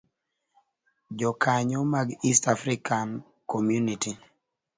Jokanyo mag East African Community